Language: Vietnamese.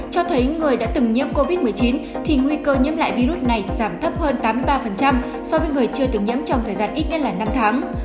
cho thấy người đã từng nhiễm covid một mươi chín thì nguy cơ nhiễm lại virus này giảm thấp hơn tám mươi ba so với người chưa từng nhiễm trong thời gian ít nhất là năm tháng